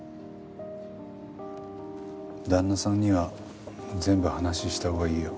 旦那さんには全部話したほうがいいよ。